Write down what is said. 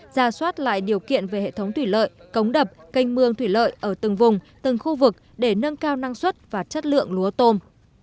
ra soát lại điều kiện về hệ thống thủy lợi cống đập canh mương thủy lợi ở từng vùng từng khu vực để nâng cao năng suất và chất lượng lúa tôm